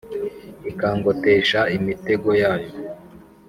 ikangotesha imitego yayo